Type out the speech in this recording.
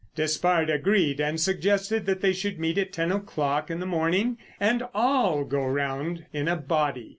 Despard agreed and suggested that they should meet at ten o'clock in the morning and all go round in a body.